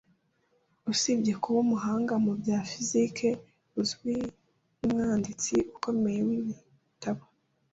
Usibye kuba umuhanga mu bya fiziki uzwi, ni n'umwanditsi ukomeye w'ibitabo.